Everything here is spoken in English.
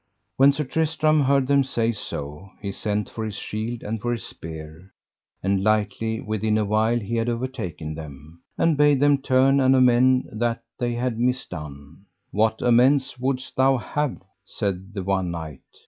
When Sir Tristram heard them say so he sent for his shield and for his spear, and lightly within a while he had overtaken them, and bade them turn and amend that they had misdone. What amends wouldst thou have? said the one knight.